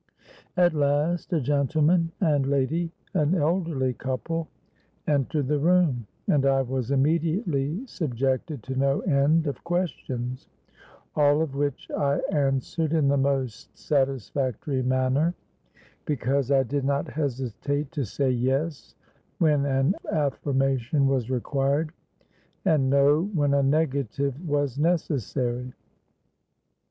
At last a gentleman and lady—an elderly couple—entered the room, and I was immediately subjected to no end of questions, all of which I answered in the most satisfactory manner, because I did not hesitate to say 'Yes' when an affirmation was required, and 'No' when a negative was necessary.